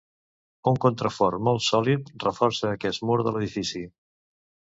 Un contrafort molt sòlid reforça aquest mur de l'edifici.